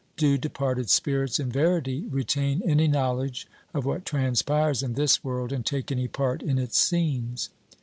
Do departed spirits in verity retain any knowledge of what transpires in this world, and take any part in its scenes?